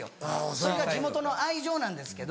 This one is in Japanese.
それが地元の愛情なんですけど。